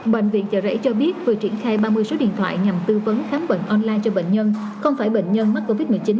bệnh viện chợ rẫy cho biết vừa triển khai ba mươi số điện thoại nhằm tư vấn khám bệnh online cho bệnh nhân không phải bệnh nhân mắc covid một mươi chín